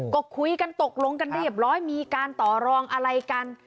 ก็คุยกันตกลงกันเรียบร้อยมีการต่อรองอะไรกัน